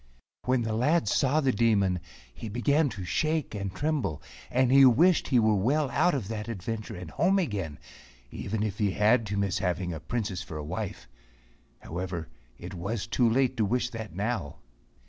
When the lad saw the Demon he began to shake and tremble, and he wished he were well out of that adventure and home again, even 184 A TRANSYLVANIAN GIPSY TALE if he had to miss having a Princess for a wife. However it was too late to wish that now.